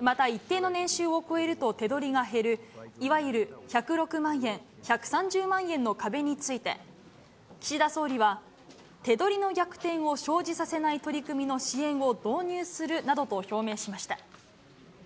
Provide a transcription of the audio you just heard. また一定の年収を超えると手取りが減る、いわゆる１０６万円、１３０万円の壁について、岸田総理は手取りの逆転を生じさせない取り組みの支援を導入するなどと表明しました。